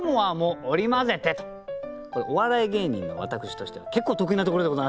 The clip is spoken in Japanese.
お笑い芸人の私としては結構得意なところでございまして。